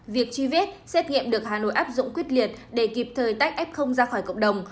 việc truy vết xét nghiệm được hà nội áp dụng quyết liệt để kịp thời tách f ra khỏi cộng đồng